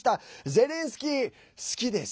ゼレンスキー、好きです。